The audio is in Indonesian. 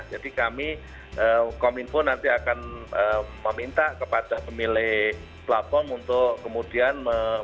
jadi kami kominfo nanti akan meminta kepada pemilik platform untuk kemudian